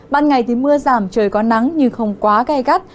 ban ngày thì mưa giảm trời có nắng nhưng không quá gai gắt